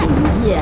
aku dulu pihaknya